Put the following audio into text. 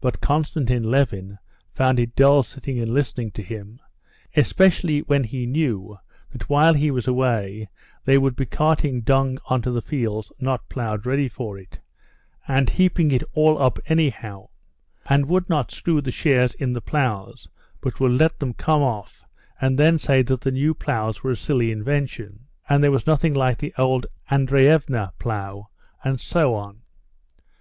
But Konstantin Levin found it dull sitting and listening to him, especially when he knew that while he was away they would be carting dung onto the fields not ploughed ready for it, and heaping it all up anyhow; and would not screw the shares in the ploughs, but would let them come off and then say that the new ploughs were a silly invention, and there was nothing like the old Andreevna plough, and so on.